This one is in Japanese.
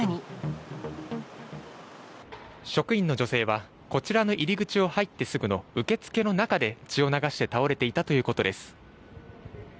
職員の女性は、こちらの入り口を入ってすぐの受付の中で、血を流して倒れていたということです。